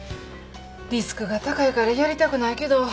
リスクが高いからやりたくないけど。